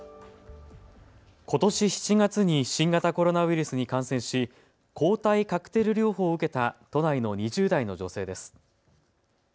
ことし７月に新型コロナウイルスに感染し抗体カクテル療法を受けた都内の２０代の女性です。